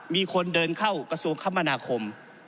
มีคนเดินเข้ากระทรวงคมนาคม